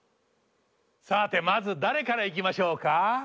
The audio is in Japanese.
さてまず誰からいきましょうか？